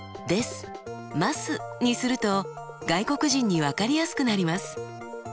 と外国人に分かりやすくなります。